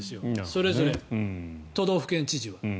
それぞれ、都道府県知事は。